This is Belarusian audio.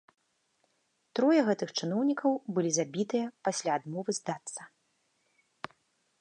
Трое гэтых чыноўнікаў былі забітыя пасля адмовы здацца.